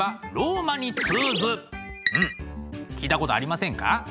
うん聞いたことありませんか？